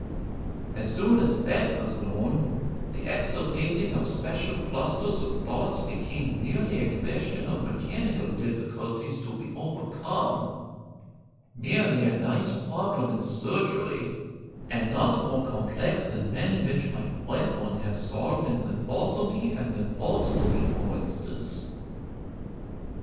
As soon as that was known, the extirpating of special clusters of thoughts became merely a question of mechanical difficulties to be overcome, merely a nice problem in surgery, and not more complex than many which my brethren have solved in lithotomy and lithotrity, for instance."